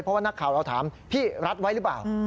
เพราะว่านักข่าวเราถามพี่รัดไว้หรือเปล่า